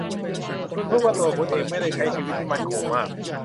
คุณพูดว่าตัวคุณเองไม่ได้ใช้ชีวิตที่มั่นคงมาก